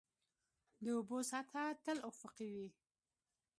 د اوبو سطحه تل افقي وي.